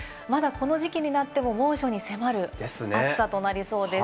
まだこの時期になっても猛暑に迫る暑さとなりそうです。